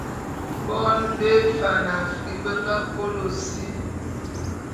Bon bé Fan Afri be nga kôlô si.